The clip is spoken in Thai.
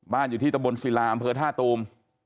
บ้านอยู่ที่ตะบลศิราบรรพ์อำเภอท่าตูม